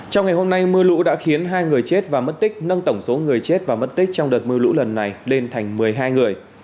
trong ngày hôm nay mưa lũ đã khiến hai người chết và mất tích nâng tổng số người chết và mất tích trong đợt mưa lũ lần này lên thành một mươi hai người